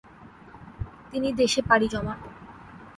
তিনি দেশে পাড়ি জমান।